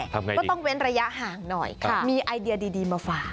ทำอย่างไรดีต้องเว้นระยะห่างหน่อยมีไอเดียดีมาฝ่า